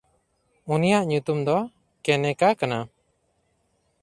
ᱩᱱᱤᱭᱟᱜ ᱧᱩᱛᱩᱢ ᱫᱚ ᱠᱮᱱᱮᱠᱟ ᱠᱟᱱᱟ᱾